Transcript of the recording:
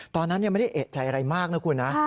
ตอนนั้นไม่ได้เอกใจอะไรมากนะคุณนะ